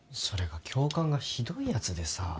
それが教官がひどいやつでさ。